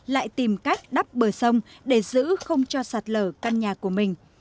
lại tìm cách đắp bờ sông để giữ không cho sạt lở căn nhà của mình